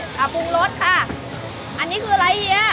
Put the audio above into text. ปรุงรสค่ะอันนี้คืออะไรเฮีย